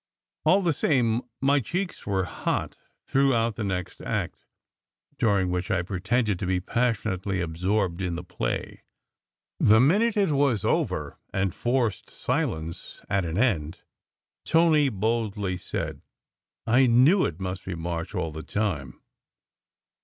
All the same my cheeks were hot throughout the next act, during which I pretended to be passionately absorbed in the play. The minute it was over and forced silence at an end, Tony boldly said, " I knew it must be March, all the time.